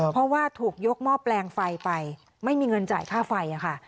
เพราะว่าถูกยกหม้อแปลงไฟไปไม่มีเงินจ่ายค่าไฟค่ะ